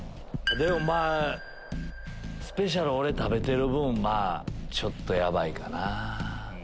でもまぁスペシャルメニュー俺食べてる分ちょっとヤバいかな。